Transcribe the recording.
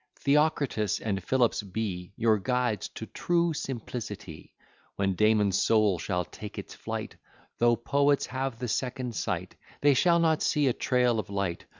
Theocritus and Philips be Your guides to true simplicity. When Damon's soul shall take its flight, Though poets have the second sight, They shall not see a trail of light.